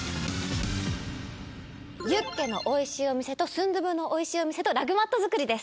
ユッケのおいしいお店とスンドゥブのおいしいお店とラグマット作りです。